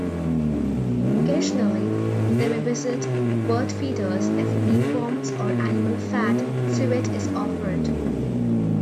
Occasionally, they may visit bird feeders if mealworms or animal-fat suet is offered.